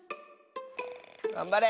がんばれ！